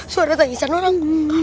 suara tangisan orang